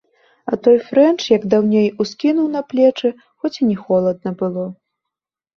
А той фрэнч, як даўней, ускінуў на плечы, хоць і не холадна было.